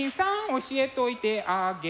教えといてあげる」